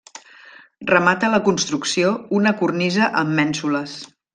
Remata la construcció una cornisa amb mènsules.